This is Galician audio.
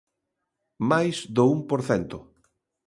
Máis do un por cento.